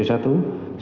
satu botol bv satu